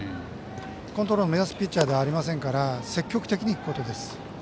コントロールを乱すピッチャーではありませんから積極的に行くことです。